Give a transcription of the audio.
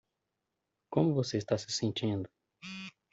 Como você está se sentindo?